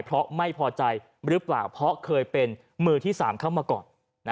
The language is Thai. เพราะไม่พอใจหรือเปล่าเพราะเคยเป็นมือที่๓เข้ามาก่อน